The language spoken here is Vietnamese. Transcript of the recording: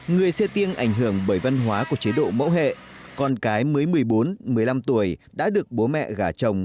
người xê tiêng ảnh hưởng bởi văn hóa của chế độ mẫu hệ con cái mới một mươi bốn một mươi năm tuổi đã được bố mẹ gả chồng